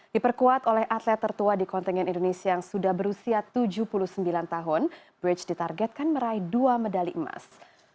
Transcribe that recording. diperkuat oleh atlet tertua di kontingen indonesia yang sudah berusia tujuh puluh sembilan tahun bridge ditargetkan meraih dua medali emas